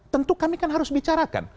tentu kami kan harus bicarakan